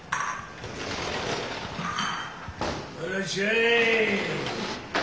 はいいらっしゃい！